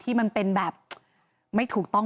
ปี๖๕วันเช่นเดียวกัน